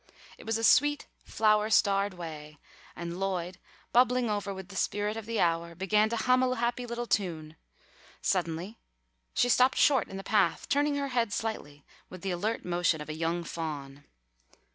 It was a sweet flower starred way, and Lloyd, bubbling over with the spirit of the hour, began to hum a happy little tune. Suddenly she stopped short in the path, turning her head slightly with the alert motion of a young fawn.